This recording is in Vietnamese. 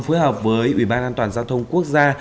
phối hợp với ủy ban an toàn giao thông quốc gia